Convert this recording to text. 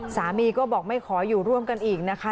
สามีก็บอกไม่ขออยู่ร่วมกันอีกนะคะ